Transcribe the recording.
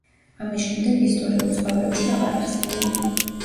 ამის შემდეგ ისტორიულ წყაროებში აღარ იხსენიება.